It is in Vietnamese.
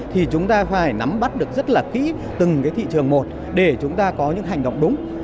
thì chúng ta phải nắm bắt được rất là kỹ từng thị trường một để chúng ta có những hành động đúng